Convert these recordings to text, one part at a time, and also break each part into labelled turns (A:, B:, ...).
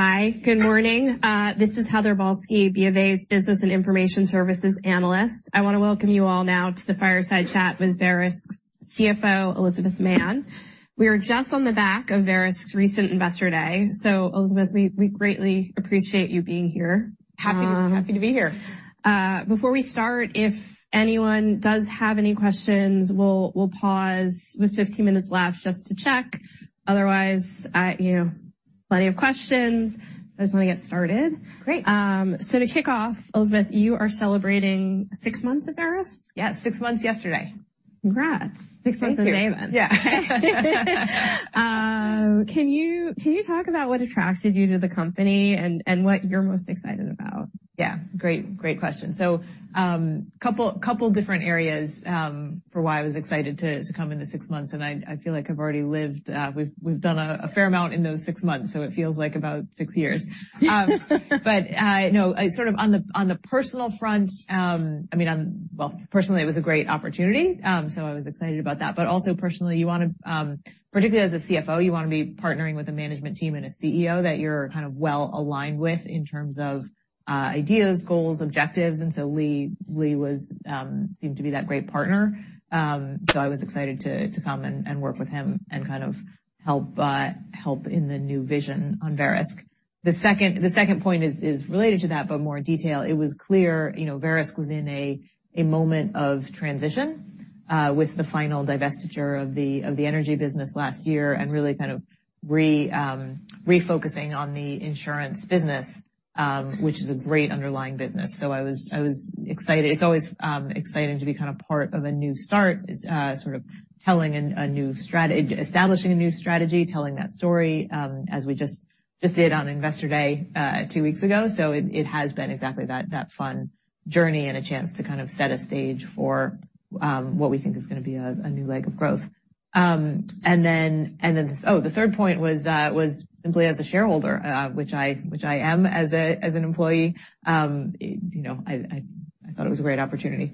A: Hi. Good morning. This is Heather Balsky, BofA's Business and Information Services analyst. I want to welcome you all now to the fireside chat with Verisk's CFO, Elizabeth Mann. We are just on the back of Verisk's recent Investor Day. Elizabeth, we greatly appreciate you being here.
B: Happy to, happy to be here.
A: Before we start, if anyone does have any questions, we'll pause with fifteen minutes left just to check. I, you know, plenty of questions. I just want to get started.
B: Great.
A: To kick off, Elizabeth, you are celebrating six months at Verisk?
B: Yes. six months yesterday.
A: Congrats.
B: Thank you.
A: Six months and a day then.
B: Yeah.
A: Can you talk about what attracted you to the company and what you're most excited about?
B: Yeah, great question. Couple different areas for why I was excited to come in the six months, and I feel like I've already lived, we've done a fair amount in those six months, so it feels like about six years. No, sort of on the personal front, I mean, well, personally, it was a great opportunity. I was excited about that. Also personally, you wanna particularly as a CFO, you wanna be partnering with a management team and a CEO that you're kind of well aligned with in terms of ideas, goals, objectives, and so Lee was seemed to be that great partner. I was excited to come and work with him and kind of help in the new vision on Verisk. The second point is related to that, but more in detail. It was clear, you know, Verisk was in a moment of transition with the final divestiture of the energy business last year and really kind of refocusing on the insurance business, which is a great underlying business. I was excited. It's always exciting to be kind of part of a new start, sort of establishing a new strategy, telling that story, as we just did on Investor Day two weeks ago. It has been exactly that fun journey and a chance to kind of set a stage for what we think is gonna be a new leg of growth. Oh, the third point was simply as a shareholder, which I am as an employee, you know, I thought it was a great opportunity.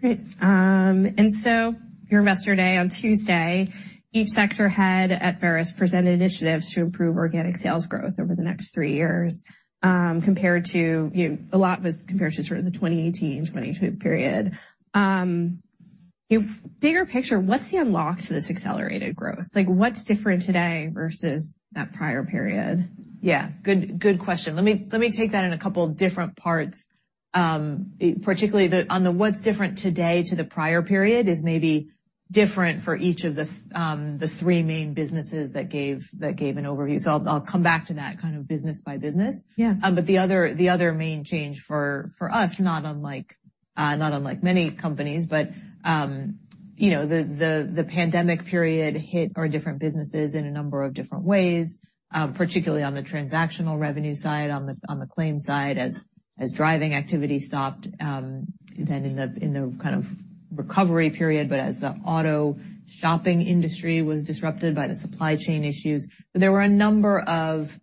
A: Great. Your Investor Day on Tuesday, each sector head at Verisk presented initiatives to improve organic sales growth over the next three years, compared to, you know, a lot was compared to sort of the 2018, 2022 period. You know, bigger picture, what's the unlock to this accelerated growth? Like, what's different today versus that prior period?
B: Yeah. Good question. Let me take that in a couple different parts. Particularly on the what's different today to the prior period is maybe different for each of the three main businesses that gave an overview. I'll come back to that kind of business by business.
A: Yeah.
B: The other main change for us, not unlike many companies, but, you know, the pandemic period hit our different businesses in a number of different ways, particularly on the transactional revenue side, on the claims side as driving activity stopped, then in the kind of recovery period, but as the auto shopping industry was disrupted by the supply chain issues. There were a number of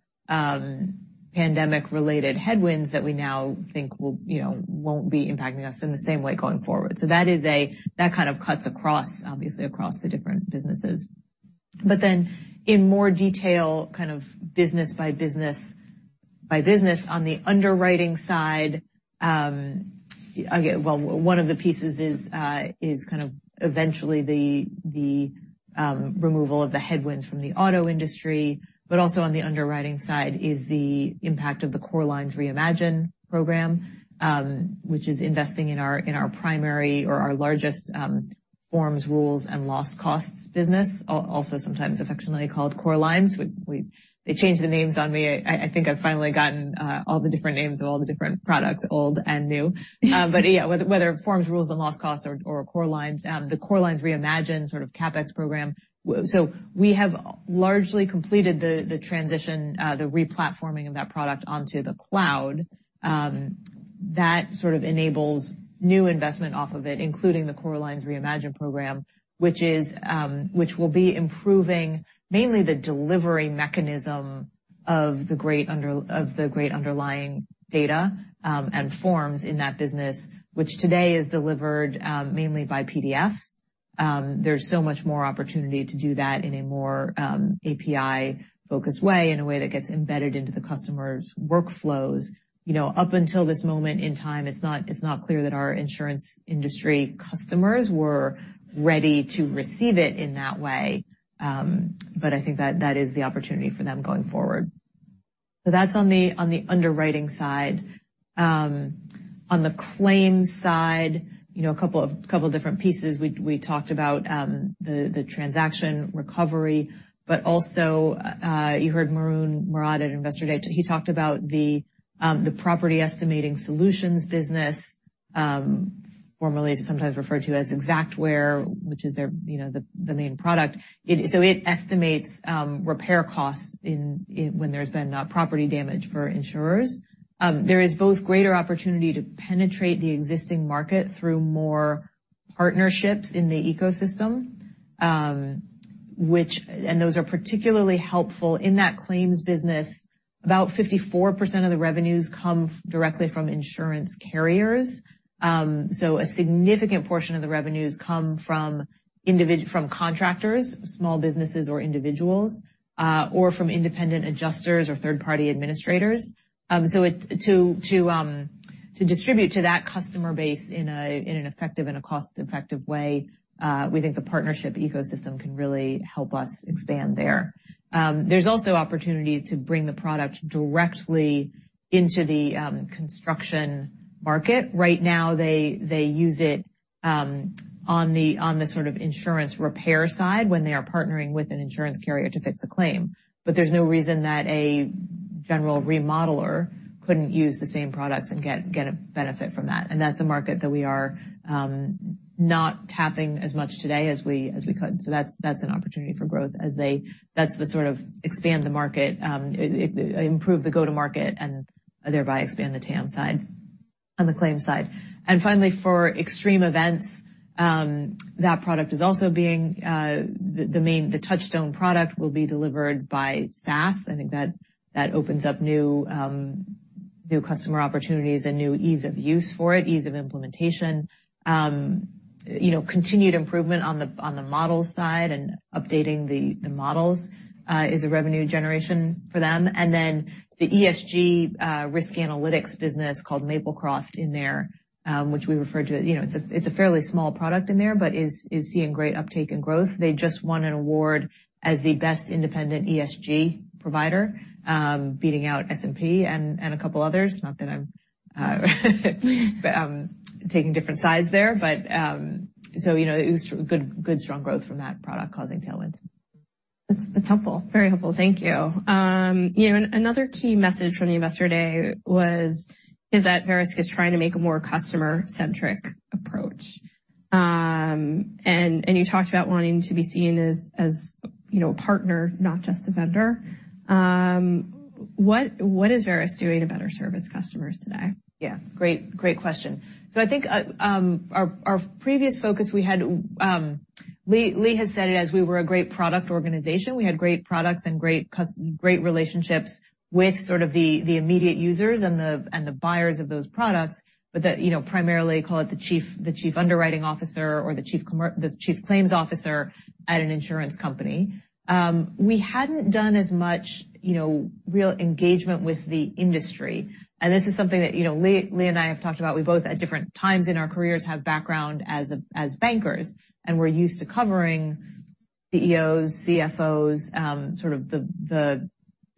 B: pandemic-related headwinds that we now think will, you know, won't be impacting us in the same way going forward. That is a. That kind of cuts across, obviously, across the different businesses. In more detail, kind of business by business by business, on the underwriting side, again, well, one of the pieces is kind of eventually the removal of the headwinds from the auto industry. Also on the underwriting side is the impact of the Core Lines Reimagine program, which is investing in our primary or our largest Forms, Rules, and Loss Costs business, also sometimes affectionately called Core Lines. We, They change the names on me. I think I've finally gotten all the different names of all the different products, old and new. Yeah, whether Forms, Rules, and Loss Costs or Core Lines, the Core Lines Reimagine sort of CapEx program. We have largely completed the transition, the replatforming of that product onto the cloud. That sort of enables new investment off of it, including the Core Lines Reimagine program, which is improving mainly the delivery mechanism of the great underlying data and forms in that business, which today is delivered mainly by PDFs. There's so much more opportunity to do that in a more API-focused way, in a way that gets embedded into the customer's workflows. You know, up until this moment in time, it's not clear that our insurance industry customers were ready to receive it in that way. I think that that is the opportunity for them going forward. That's on the underwriting side. On the claims side, you know, a couple different pieces. We talked about the transaction recovery, but also, you heard Maroun Mourad at Investor Day. He talked about the property estimating solutions business, formerly sometimes referred to as Xactware, which is their, you know, the main product. So it estimates repair costs in, when there's been property damage for insurers. There is both greater opportunity to penetrate the existing market through more partnerships in the ecosystem, which... Those are particularly helpful in that claims business. About 54% of the revenues come directly from insurance carriers. A significant portion of the revenues come from contractors, small businesses or individuals, or from independent adjusters or third-party administrators. To distribute to that customer base in an effective and a cost-effective way, we think the partnership ecosystem can really help us expand there. There's also opportunities to bring the product directly into the construction market. Right now they use it on the sort of insurance repair side when they are partnering with an insurance carrier to fix a claim. There's no reason that a general remodeler couldn't use the same products and get a benefit from that. That's a market that we are not tapping as much today as we could. That's an opportunity for growth to sort of expand the market, improve the go-to-market and thereby expand the TAM side on the claims side. Finally, for extreme events, that product is also being the Touchstone product will be delivered by SaaS. I think that opens up new customer opportunities and new ease of use for it, ease of implementation. You know, continued improvement on the model side and updating the models is a revenue generation for them. Then the ESG risk analytics business called Maplecroft in there, which we refer to as, you know, it's a fairly small product in there, but is seeing great uptake and growth. They just won an award as the best independent ESG provider, beating out S&P and a couple others. Not that I'm taking different sides there, you know, it was good strong growth from that product causing tailwinds.
A: That's helpful. Very helpful. Thank you. You know, another key message from the Investor Day is that Verisk is trying to make a more customer-centric approach. You talked about wanting to be seen as, you know, a partner, not just a vendor. What is Verisk doing to better serve its customers today?
B: Yeah. Great question. I think our previous focus we had, Lee had said it as we were a great product organization. We had great products and great relationships with sort of the immediate users and the buyers of those products. That, you know, primarily call it the chief underwriting officer or the chief claims officer at an insurance company. We hadn't done as much, you know, real engagement with the industry. This is something that, you know, Lee and I have talked about. We both, at different times in our careers, have background as bankers, and we're used to covering CEOs, CFOs, sort of the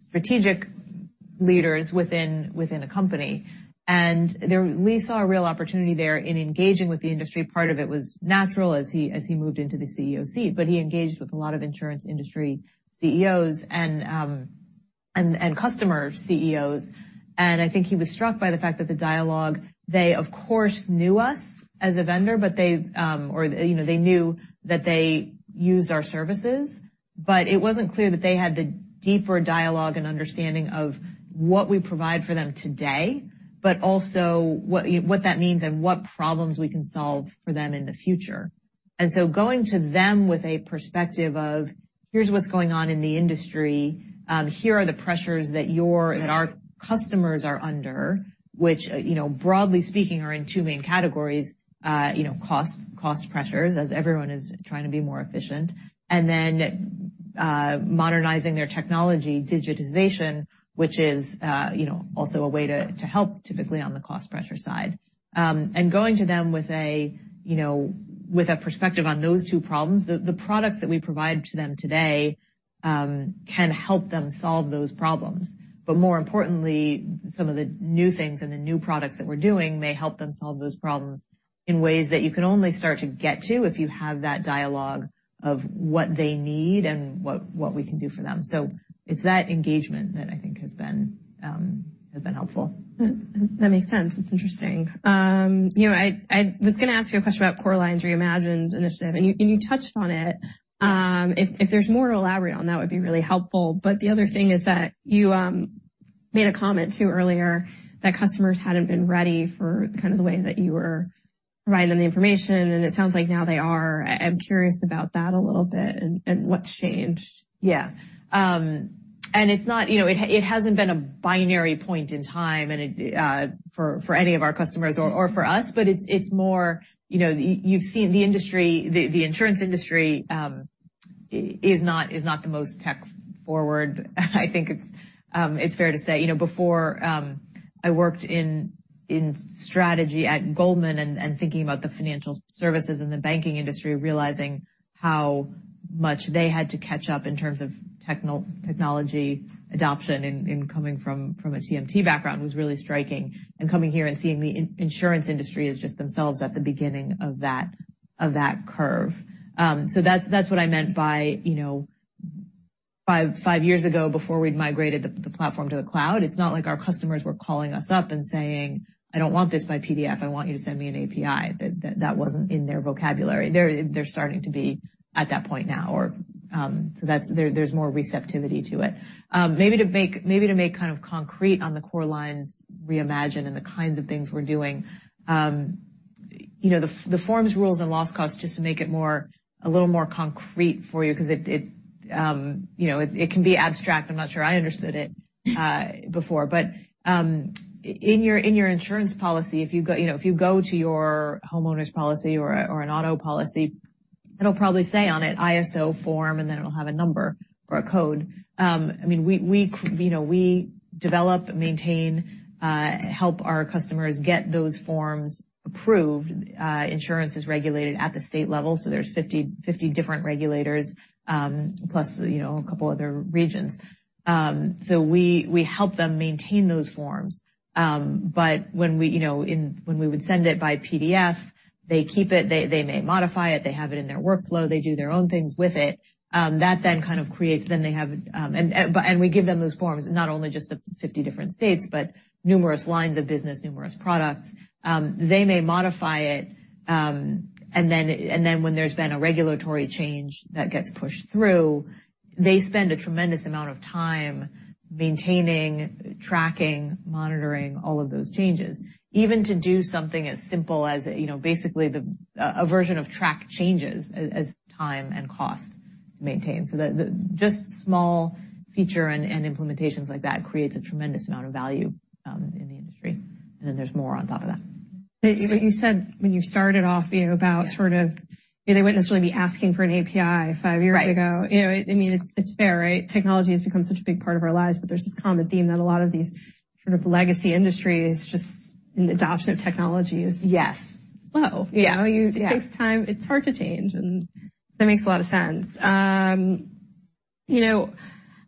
B: strategic leaders within a company. Lee saw a real opportunity there in engaging with the industry. Part of it was natural as he moved into the CEO seat, but he engaged with a lot of insurance industry CEOs and customer CEOs. I think he was struck by the fact that the dialogue, they of course knew us as a vendor, but they, or, you know, they knew that they used our services, but it wasn't clear that they had the deeper dialogue and understanding of what we provide for them today, but also what that means and what problems we can solve for them in the future. Going to them with a perspective of here's what's going on in the industry, here are the pressures that our customers are under, which, you know, broadly speaking, are in two main categories, you know, cost pressures as everyone is trying to be more efficient. Modernizing their technology, digitization, which is, you know, also a way to help typically on the cost pressure side. Going to them with a, you know, with a perspective on those two problems. The products that we provide to them today, can help them solve those problems. More importantly, some of the new things and the new products that we're doing may help them solve those problems in ways that you can only start to get to if you have that dialogue of what they need and what we can do for them. It's that engagement that I think has been helpful.
A: That makes sense. It's interesting. you know, I was gonna ask you a question about Core Lines Reimagine initiative, and you, and you touched on it. if there's more to elaborate on, that would be really helpful. The other thing is that you, made a comment too earlier that customers hadn't been ready for kind of the way that you were providing them the information, and it sounds like now they are. I'm curious about that a little bit and what's changed.
B: Yeah. It's not, you know... It hasn't been a binary point in time and it for any of our customers or for us, but it's more, you know, you've seen the industry, the insurance industry, is not the most tech forward, I think it's fair to say. You know, before I worked in strategy at Goldman and thinking about the financial services and the banking industry, realizing how much they had to catch up in terms of technology adoption in coming from a TMT background was really striking. Coming here and seeing the insurance industry as just themselves at the beginning of that curve. That's what I meant by, you know, 5 years ago before we'd migrated the platform to the cloud, it's not like our customers were calling us up and saying, "I don't want this by PDF. I want you to send me an API." That wasn't in their vocabulary. They're starting to be at that point now or, there's more receptivity to it. Maybe to make kind of concrete on the Core Lines Reimagine and the kinds of things we're doing, You know, the Forms, Rules, and Loss Costs just to make it more, a little more concrete for you 'cause it, you know, it can be abstract. I'm not sure I understood it before. In your, in your insurance policy, if you go, you know, if you go to your homeowner's policy or an auto policy, it'll probably say on it ISO form, and then it'll have a number or a code. I mean, we, you know, we develop, maintain, help our customers get those forms approved. Insurance is regulated at the state level, so there's fifty different regulators, plus, you know, a couple other regions. We, we help them maintain those forms. When we, you know, when we would send it by PDF, they keep it. They, they may modify it, they have it in their workflow, they do their own things with it. That then kind of creates... They have, and we give them those forms, not only just the fifty different states, but numerous lines of business, numerous products. They may modify it, and then, and then when there's been a regulatory change that gets pushed through, they spend a tremendous amount of time maintaining, tracking, monitoring all of those changes. Even to do something as simple as, you know, basically the, a version of track changes as time and cost to maintain. The just small feature and implementations like that creates a tremendous amount of value, in the industry, and then there's more on top of that.
A: You said when you started off, you know, about sort of they wouldn't necessarily be asking for an API five years ago.
B: Right.
A: You know, I mean, it's fair, right? Technology has become such a big part of our lives. There's this common theme that a lot of these sort of legacy industries just, and the adoption of technology is.
B: Yes.
A: -slow.
B: Yeah.
A: You know?
B: Yeah.
A: It takes time. It's hard to change, that makes a lot of sense. You know,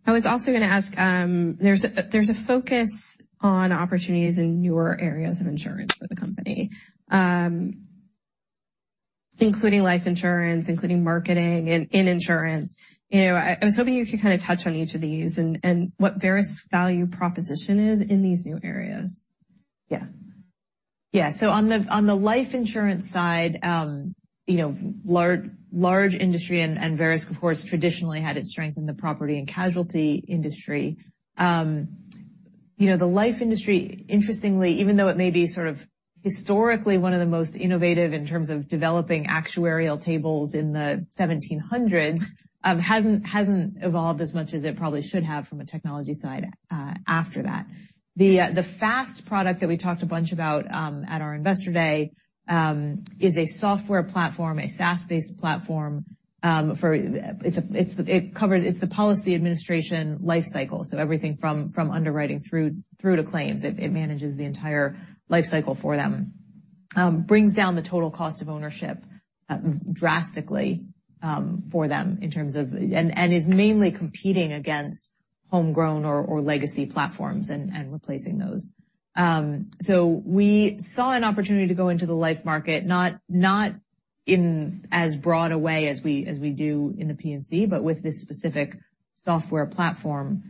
A: I was also gonna ask, there's a focus on opportunities in newer areas of insurance for the company, including life insurance, including marketing in insurance. You know, I was hoping you could kinda touch on each of these and what Verisk's value proposition is in these new areas.
B: Yeah. Yeah. On the, on the life insurance side, you know, large industry and Verisk of course, traditionally had its strength in the property and casualty industry. You know, the life industry, interestingly, even though it may be sort of historically one of the most innovative in terms of developing actuarial tables in the 1700s, hasn't evolved as much as it probably should have from a technology side after that. The, the FAST product that we talked a bunch about, at our investor day, is a software platform, a SaaS-based platform, for... It's a, it's the policy administration life cycle. Everything from underwriting through to claims. It, it manages the entire life cycle for them. Brings down the total cost of ownership, drastically, for them in terms of... is mainly competing against homegrown or legacy platforms and replacing those. We saw an opportunity to go into the life market, not in as broad a way as we do in the P&C, but with this specific software platform.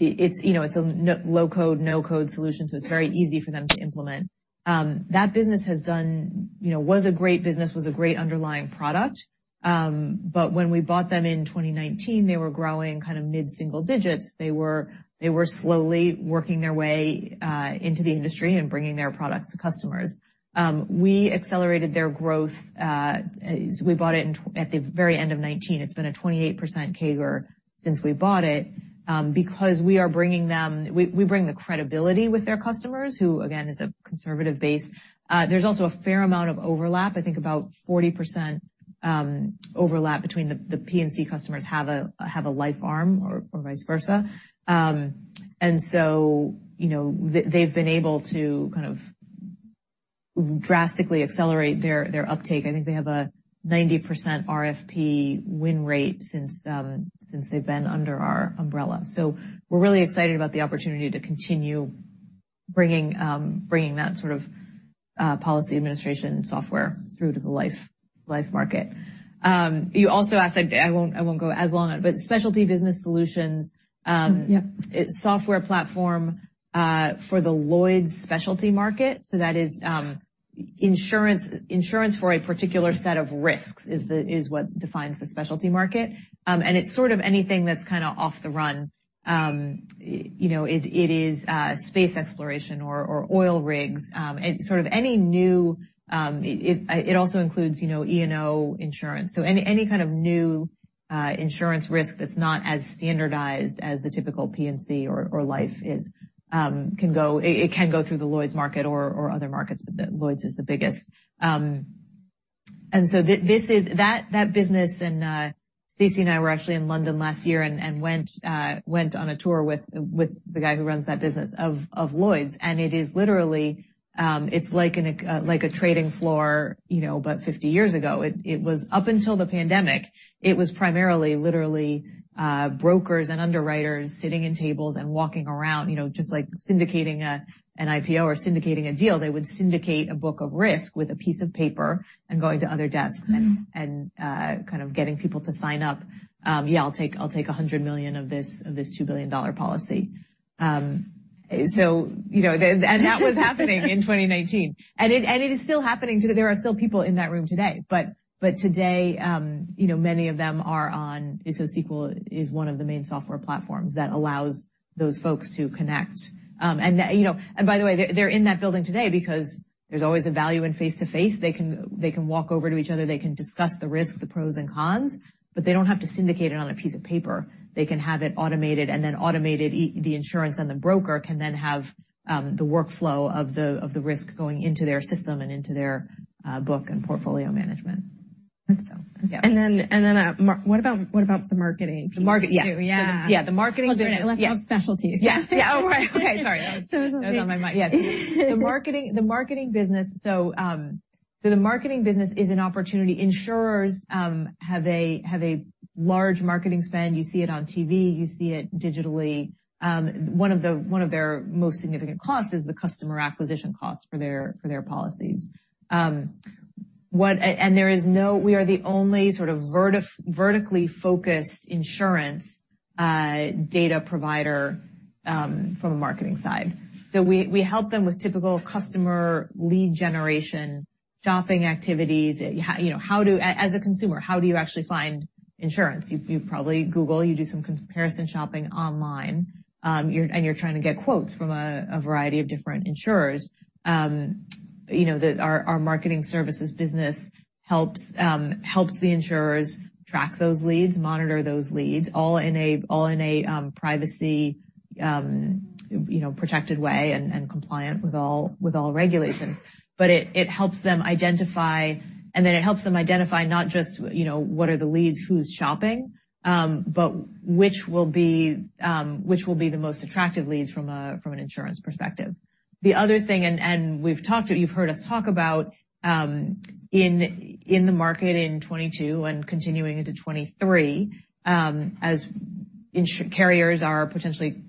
B: It's, you know, it's a low-code, no-code solution, so it's very easy for them to implement. That business has done, you know, was a great business, was a great underlying product. When we bought them in 2019, they were growing kind of mid-single digits. They were slowly working their way into the industry and bringing their products to customers. We accelerated their growth. We bought it at the very end of 2019. It's been a 28% CAGR since we bought it, because we bring the credibility with their customers, who again, is a conservative base. There's also a fair amount of overlap. I think about 40% overlap between the P&C customers have a life arm or vice versa. You know, they've been able to kind of drastically accelerate their uptake. I think they have a 90% RFP win rate since they've been under our umbrella. We're really excited about the opportunity to continue bringing that sort of policy administration software through to the life market. You also asked, I won't go as long on it, Specialty Business Solutions.
A: Yeah.
B: -software platform for the Lloyd's specialty market. That is insurance for a particular set of risks is what defines the specialty market. It's sort of anything that's kinda off the run. You know, it is space exploration or oil rigs. It's sort of any new. It also includes, you know, E&O insurance. Any kind of new insurance risk that's not as standardized as the typical P&C or life is, it can go through the Lloyd's market or other markets, but the Lloyd's is the biggest. This is... That business and Stacy and I were actually in London last year and went on a tour with the guy who runs that business of Lloyd's, and it is literally, it's like a trading floor, you know, but fifty years ago. It was up until the pandemic, it was primarily literally brokers and underwriters sitting in tables and walking around, you know, just like syndicating an IPO or syndicating a deal. They would syndicate a book of risk with a piece of paper and going to other desks and kind of getting people to sign up. Yeah, I'll take $100 million of this, of this $2 billion policy. You know, that was happening in 2019. It is still happening today. There are still people in that room today. But today, you know, many of them are on. Sequel is one of the main software platforms that allows those folks to connect. By the way, they're in that building today because there's always a value in face-to-face. They can walk over to each other, they can discuss the risk, the pros and cons, but they don't have to syndicate it on a piece of paper. They can have it automated, and then automated the insurance and the broker can then have the workflow of the risk going into their system and into their book and portfolio management.
A: And so-
B: Yeah.
A: Maroun, what about the marketing piece too?
B: The market? Yes.
A: Yeah.
B: Yeah. The marketing business.
A: Let's have Specialties.
B: Yeah. Yeah. Oh, right. Okay. Sorry.
A: Sorry.
B: That was on my mind. Yes. The marketing business. The marketing business is an opportunity. Insurers have a large marketing spend. You see it on TV, you see it digitally. One of their most significant costs is the customer acquisition cost for their policies. We are the only sort of vertically focused insurance data provider from a marketing side. We help them with typical customer lead generation, shopping activities. You know, as a consumer, how do you actually find insurance? You probably Google, you do some comparison shopping online, and you're trying to get quotes from a variety of different insurers. You know, our marketing services business helps the insurers track those leads, monitor those leads, all in a privacy, you know, protected way and compliant with all regulations. It helps them identify... It helps them identify not just, you know, what are the leads, who's shopping, but which will be the most attractive leads from an insurance perspective. The other thing, and we've talked, you've heard us talk about, in the market in twenty two and continuing into twenty three, as carriers are potentially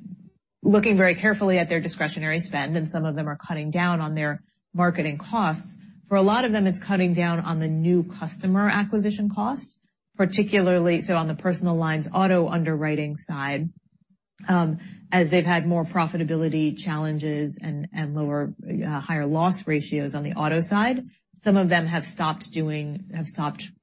B: looking very carefully at their discretionary spend, and some of them are cutting down on their marketing costs. For a lot of them, it's cutting down on the new customer acquisition costs, particularly so on the personal lines auto underwriting side, as they've had more profitability challenges and lower, higher loss ratios on the auto side. Some of them have stopped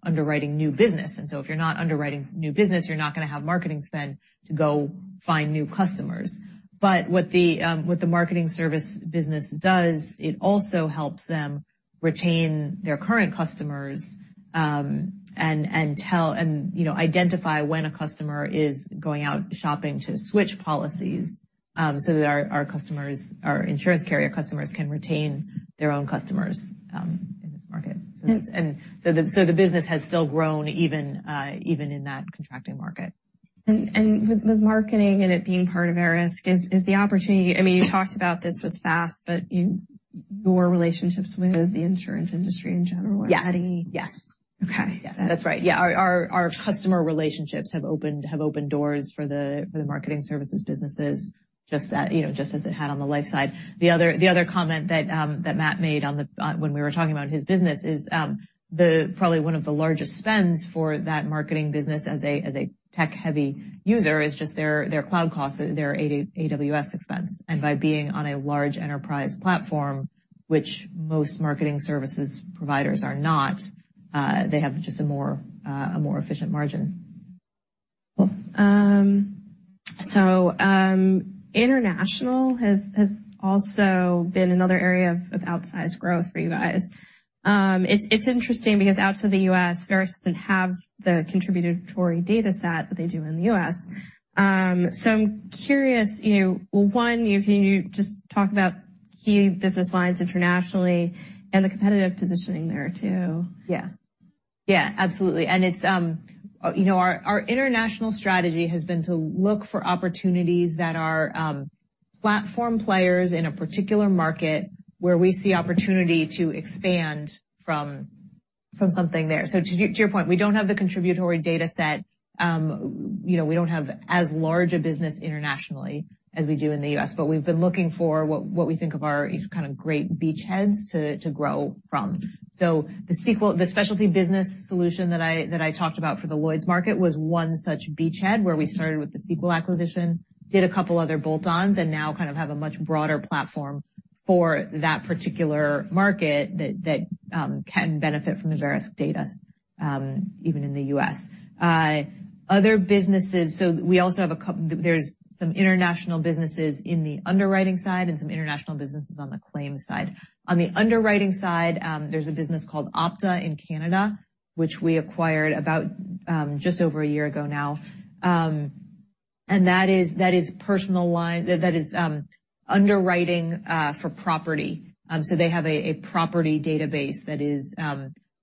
B: underwriting new business. If you're not underwriting new business, you're not going to have marketing spend to go find new customers. What the marketing service business does, it also helps them retain their current customers, and tell and, you know, identify when a customer is going out shopping to switch policies, so that our customers, our insurance carrier customers can retain their own customers, in this market.
A: Yeah.
B: The business has still grown even in that contracting market.
A: With marketing and it being part of Verisk, is the opportunity... I mean, you talked about this with FAST, but your relationships with the insurance industry in general are adding...
B: Yes.
A: Okay.
B: That's right. Yeah. Our customer relationships have opened doors for the marketing services businesses just, you know, just as it had on the life side. The other comment that Matt made on when we were talking about his business is probably one of the largest spends for that marketing business as a tech-heavy user is just their cloud costs, their AWS expense. By being on a large enterprise platform, which most marketing services providers are not, they have just a more efficient margin.
A: Cool. International has also been another area of outsized growth for you guys. It's interesting because out to the U.S., Verisk doesn't have the contributory data set that they do in the U.S. I'm curious, you know, one, can you just talk about key business lines internationally and the competitive positioning there too? Yeah. Yeah, absolutely. It's, you know, our international strategy has been to look for opportunities that are platform players in a particular market where we see opportunity to expand from something there. To your point, we don't have the contributory data set. You know, we don't have as large a business internationally as we do in the U.S., but we've been looking for what we think of our kind of great beachheads to grow from. The Sequel, the Specialty Business Solutions that I talked about for the Lloyd's market was one such beachhead where we started with the Sequel acquisition, did a couple other bolt-ons, and now kind of have a much broader platform for that particular market that can benefit from the Verisk data, even in the U.S. Other businesses.
B: There's some international businesses in the underwriting side and some international businesses on the claims side. On the underwriting side, there's a business called Opta in Canada, which we acquired about just over a year ago now. That is underwriting for property. They have a property database that is,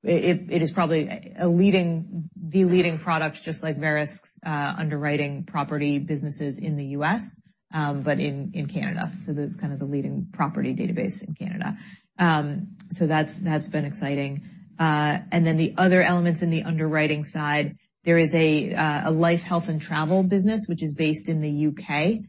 B: it is probably a leading, the leading product, just like Verisk's underwriting property businesses in the U.S. but in Canada. That's kind of the leading property database in Canada. That's been exciting. The other elements in the underwriting side, there is a life health and travel business, which is based in the U.K.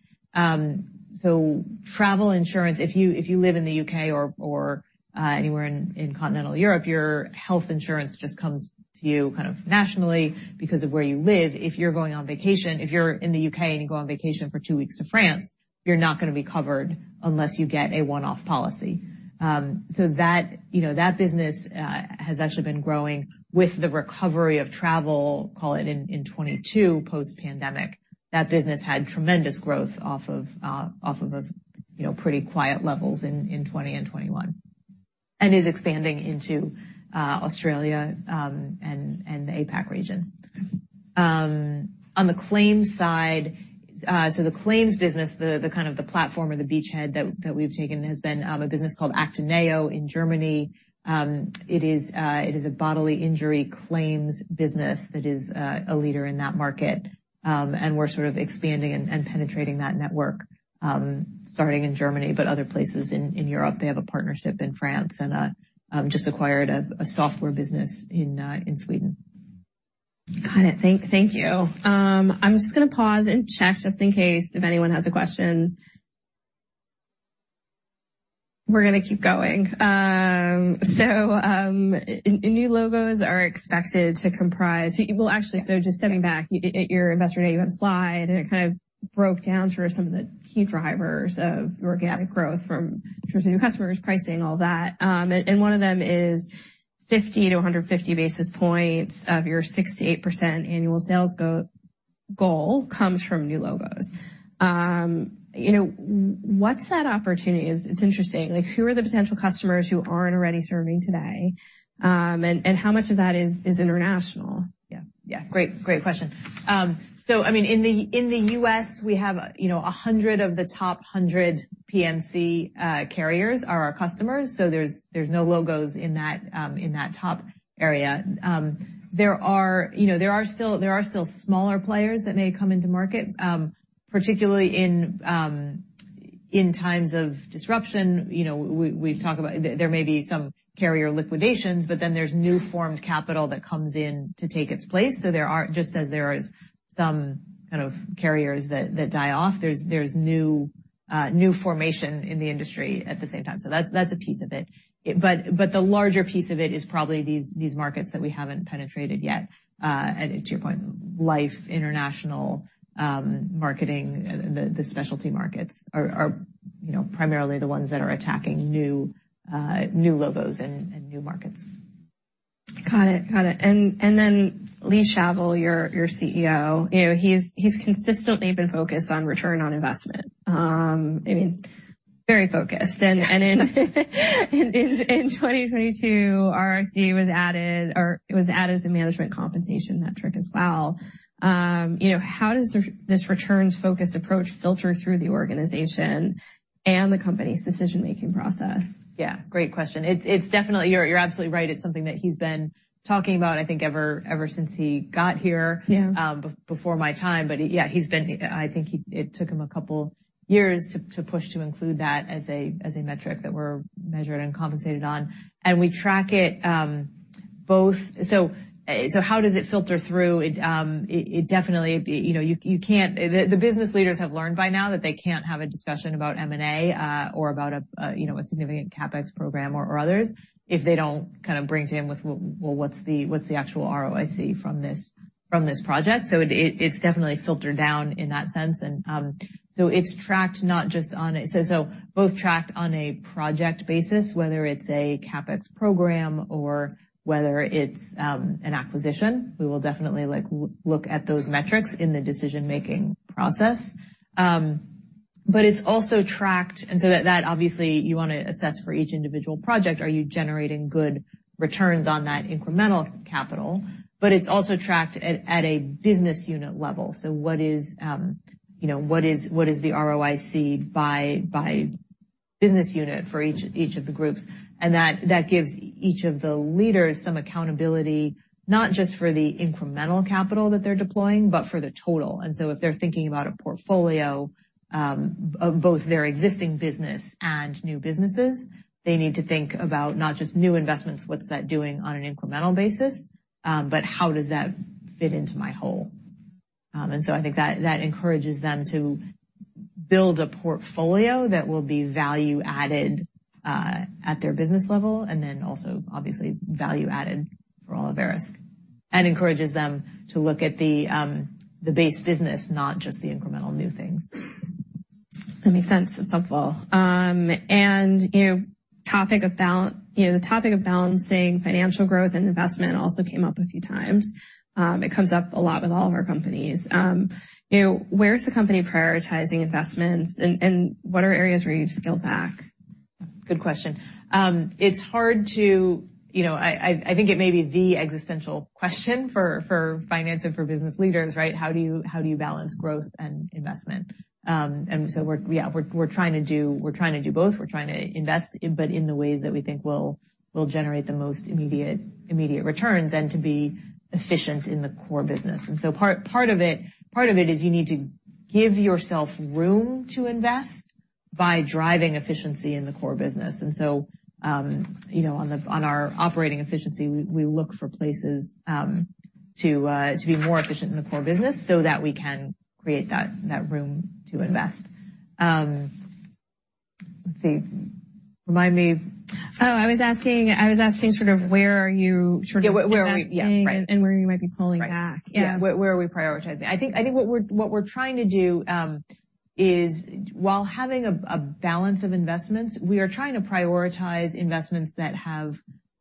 B: Travel insurance, if you, if you live in the U.K. or, anywhere in continental Europe, your health insurance just comes to you kind of nationally because of where you live. If you're going on vacation, if you're in the U.K. and you go on vacation for two weeks to France, you're not going to be covered unless you get a one-off policy. That, you know, that business has actually been growing with the recovery of travel, call it in 2022 post-pandemic. That business had tremendous growth off of, off of a, you know, pretty quiet levels in 2020 and 2021. Is expanding into Australia, and the APAC region. On the claims side, the claims business, the kind of the platform or the beachhead that we've taken has been a business called ACTINEO in Germany. It is a bodily injury claims business that is a leader in that market. We're sort of expanding and penetrating that network, starting in Germany, but other places in Europe. They have a partnership in France and just acquired a software business in Sweden.
A: Got it. Thank you. I'm just gonna pause and check just in case if anyone has a question. We're gonna keep going. New logos are expected to comprise... Well, actually, just stepping back, at your investor day, you had a slide, and it kind of broke down sort of some of the key drivers of organic growth from new customers, pricing, all that. One of them is 50-150 basis points of your 6%-8% annual sales goal comes from new logos. You know, what's that opportunity? It's interesting, like who are the potential customers who aren't already serving today? How much of that is international?
B: Yeah. Great question. I mean, in the US, we have, you know, 100 of the top 100 P&C carriers are our customers, so there's no logos in that top area. There are, you know, there are still smaller players that may come into market, particularly in times of disruption. You know, we've talked about there may be some carrier liquidations, but then there's new formed capital that comes in to take its place. There are, just as there is some kind of carriers that die off, there's new formation in the industry at the same time. That's a piece of it. The larger piece of it is probably these markets that we haven't penetrated yet. To your point, life, international, marketing, the specialty markets are, you know, primarily the ones that are attacking new logos and new markets.
A: Got it. Got it. Then Lee Shavel, your CEO, you know, he's consistently been focused on return on investment. I mean, very focused. In 2022, ROIC was added as a management compensation metric as well. You know, how does this returns-focused approach filter through the organization and the company's decision-making process?
B: Yeah. Great question. It's definitely. You're absolutely right. It's something that he's been talking about, I think, ever since he got here.
A: Yeah.
B: Before my time. Yeah, I think it took him a couple years to push to include that as a metric that we're measured and compensated on. We track it, both. How does it filter through? It, it definitely, you know, you can't. The business leaders have learned by now that they can't have a discussion about M&A, or about a, you know, a significant CapEx program or others if they don't kind of bring to him with, "Well, what's the actual ROIC from this, from this project?" It's definitely filtered down in that sense. It's tracked not just on. Both tracked on a project basis, whether it's a CapEx program or whether it's an acquisition. We will definitely like look at those metrics in the decision-making process. It's also tracked, and so that obviously you wanna assess for each individual project, are you generating good returns on that incremental capital? It's also tracked at a business unit level. What is, you know, what is the ROIC by business unit for each of the groups? That gives each of the leaders some accountability, not just for the incremental capital that they're deploying, but for the total. If they're thinking about a portfolio of both their existing business and new businesses, they need to think about not just new investments, what's that doing on an incremental basis, but how does that fit into my whole? I think that encourages them to build a portfolio that will be value added, at their business level, and then also obviously value added for all of Verisk, and encourages them to look at the base business, not just the incremental new things.
A: That makes sense. It's helpful. You know, the topic of balancing financial growth and investment also came up a few times. It comes up a lot with all of our companies. You know, where is the company prioritizing investments and what are areas where you've scaled back?
B: Good question. It's hard to, you know, I think it may be the existential question for finance and for business leaders, right? How do you balance growth and investment? We're, yeah, we're trying to do both. We're trying to invest, but in the ways that we think will generate the most immediate returns and to be efficient in the core business. Part of it is you need to give yourself room to invest by driving efficiency in the core business. You know, on our operating efficiency, we look for places to be more efficient in the core business so that we can create that room to invest. Let's see. Remind me.
A: Oh, I was asking sort of where are you...
B: Yeah. Where are we? Yeah. Right.
A: Investing and where you might be pulling back.
B: Right. Yeah.
A: Yeah.
B: Where are we prioritizing? I think what we're trying to do is while having a balance of investments, we are trying to prioritize investments that have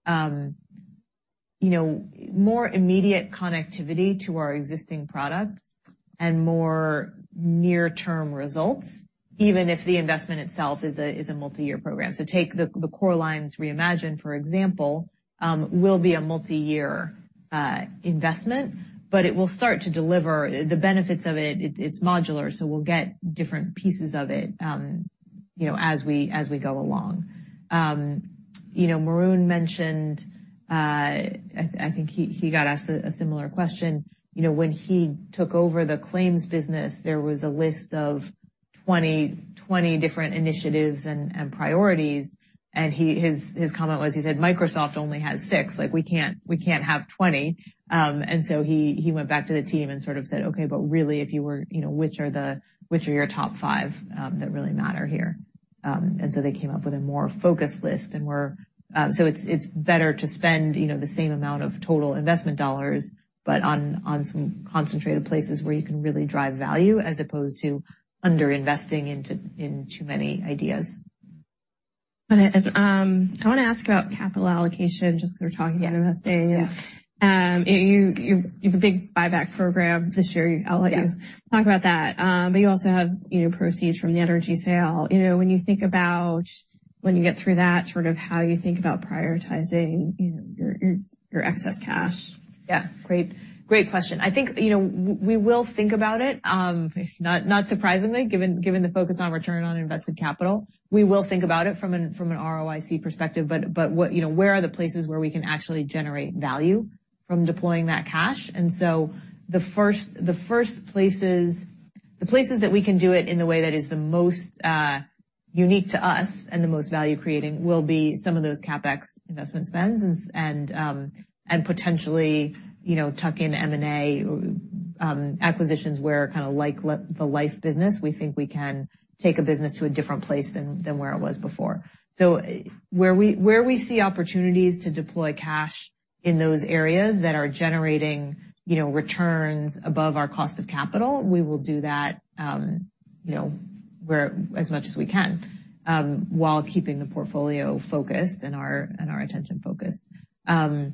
B: You know, more immediate connectivity to our existing products and more near-term results, even if the investment itself is a multi-year program. Take the Core Lines Reimagine, for example, will be a multi-year investment, but it will start to deliver the benefits of it. It's modular, so we'll get different pieces of it, you know, as we go along. You know, Maroun mentioned, I think he got asked a similar question. You know, when he took over the claims business, there was a list of twenty different initiatives and priorities. His comment was, he said Microsoft only has six. Like we can't have twenty. He went back to the team and sort of said, "Okay, but really if you were, you know, which are your top five, that really matter here?" They came up with a more focused list and we're, so it's better to spend, you know, the same amount of total investment dollars, but on some concentrated places where you can really drive value as opposed to under-investing into too many ideas.
A: I wanna ask about capital allocation, just 'cause we're talking about U.S.
B: Yeah.
A: You've a big buyback program this year.
B: Yes.
A: I'll let you talk about that. You also have, you know, proceeds from the energy sale. You know, when you think about when you get through that, sort of how you think about prioritizing, you know, your excess cash?
B: Yeah. Great, great question. I think, you know, we will think about it, not surprisingly, given the focus on return on invested capital. We will think about it from an, from an ROIC perspective, but what, you know, where are the places where we can actually generate value from deploying that cash? The first, the first places, the places that we can do it in a way that is the most unique to us and the most value creating will be some of those CapEx investment spends and potentially, you know, tuck in M&A acquisitions where kinda like the life business, we think we can take a business to a different place than where it was before. Where we see opportunities to deploy cash in those areas that are generating, you know, returns above our cost of capital, we will do that, you know, where as much as we can, while keeping the portfolio focused and our, and our attention focused. Well,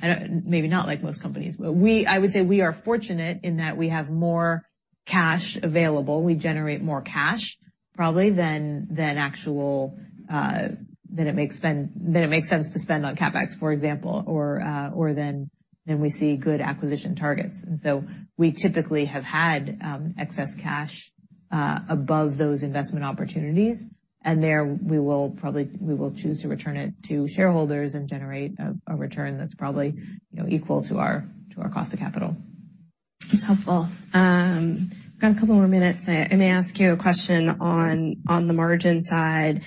B: I don't... Maybe not like most companies, I would say we are fortunate in that we have more cash available. We generate more cash probably than actual, than it makes spend, than it makes sense to spend on CapEx, for example, or than we see good acquisition targets. We typically have had, excess cash above those investment opportunities. There, we will probably, we will choose to return it to shareholders and generate a return that's probably, you know, equal to our cost of capital.
A: That's helpful. Got a couple more minutes. I may ask you a question on the margin side.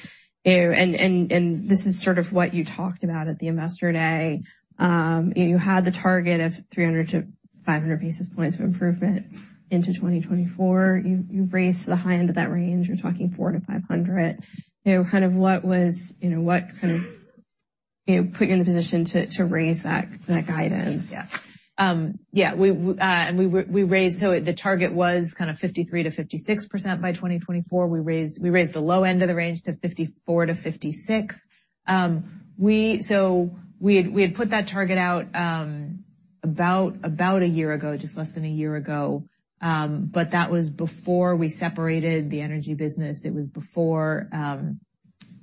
A: This is sort of what you talked about at the Investor Day. You had the target of 300 to 500 basis points of improvement into 2024. You've raised to the high end of that range, you're talking 400 to 500. You know, kind of what was, you know, what kind of, you know, put you in the position to raise that guidance?
B: Yeah. Yeah. We raised, so the target was kind of 53% - 56% by 2024. We raised the low end of the range to 54% - 56%. We, so we had put that target out, about a year ago, just less than a year ago. That was before we separated the energy business. It was before,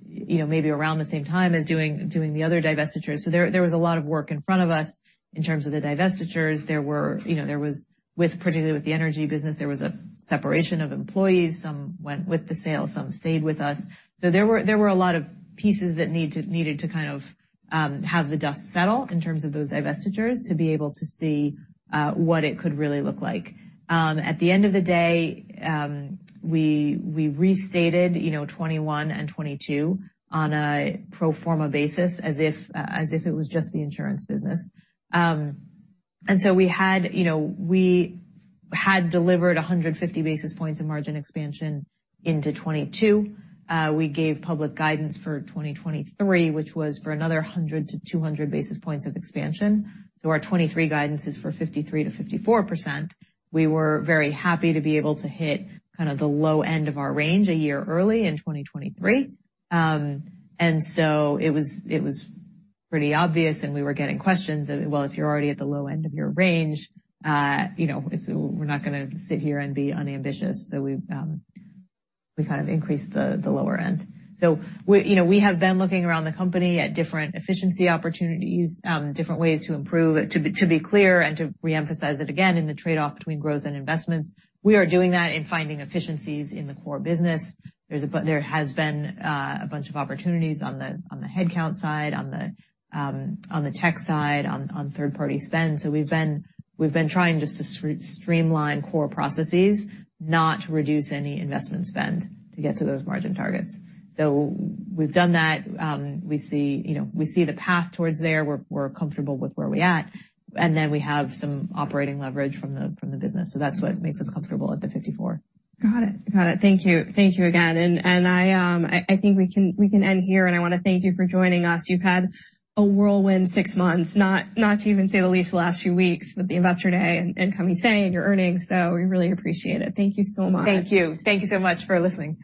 B: you know, maybe around the same time as doing the other divestitures. There was a lot of work in front of us in terms of the divestitures. There were, you know, there was particularly with the energy business, there was a separation of employees. Some went with the sale, some stayed with us. There were a lot of pieces that needed to kind of have the dust settle in terms of those divestitures to be able to see what it could really look like. At the end of the day, we restated, you know, 2021 and 2022 on a pro forma basis as if it was just the insurance business. And so we had, you know, we had delivered 150 basis points of margin expansion into 2022. We gave public guidance for 2023, which was for another 100 to 200 basis points of expansion. Our 2023 guidance is for 53%-54%. We were very happy to be able to hit kind of the low end of our range a year early in 2023. It was pretty obvious and we were getting questions. Well, if you're already at the low end of your range, you know, it's, we're not gonna sit here and be unambitious. We kind of increased the lower end. We, you know, we have been looking around the company at different efficiency opportunities, different ways to improve. To be clear and to re-emphasize it again, in the trade-off between growth and investments, we are doing that and finding efficiencies in the core business. There has been a bunch of opportunities on the headcount side, on the tech side, on third-party spend. We've been trying just to streamline core processes, not reduce any investment spend to get to those margin targets. We've done that. We see, you know, we see the path towards there. We're comfortable with where we at, and then we have some operating leverage from the business. That's what makes us comfortable at the 54.
A: Got it. Thank you. Thank you again. I think we can end here, and I wanna thank you for joining us. You've had a whirlwind six months, not to even say the least, the last few weeks with the Investor Day and coming today and your earnings. We really appreciate it. Thank you so much.
B: Thank you. Thank you so much for listening.